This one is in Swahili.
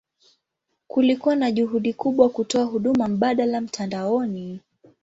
Kulikuwa na juhudi kubwa kutoa huduma mbadala mtandaoni.